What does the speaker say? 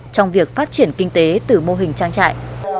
trong việc phát triển kinh tế từ mô hình trang trại